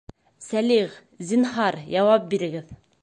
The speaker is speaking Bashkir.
Сәлих, зинһар, яуап бирегеҙ